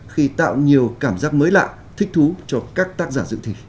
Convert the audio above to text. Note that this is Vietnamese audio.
khi tạo nhiều cảm giác mới lạ thích thú cho các tác giả dự thi